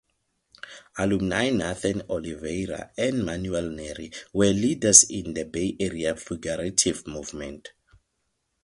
Alumni Nathan Oliveira and Manuel Neri were leaders in the Bay Area Figurative Movement.